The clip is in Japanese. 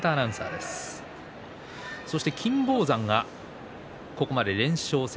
金峰山がここまで連勝。